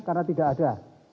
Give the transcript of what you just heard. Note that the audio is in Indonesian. karena tidak ada